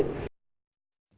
trong thực hành y khoa hiện nay